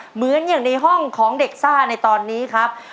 เหมือนอย่างในห้องของเด็กซ่าในตอนนี้ครับ